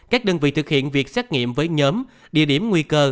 các đơn vị thực hiện việc xét nghiệm với nhóm địa điểm nguy cơ